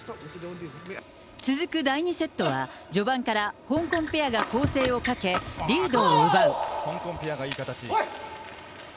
続く第２セットは、序盤から香港ペアが攻勢をかけ、リードを奪う。